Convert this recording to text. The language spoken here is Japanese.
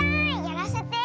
やらせて。